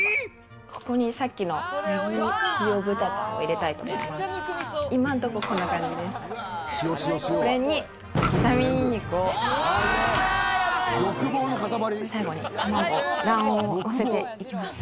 ここに、さっきの塩豚タンを入れたいと思います。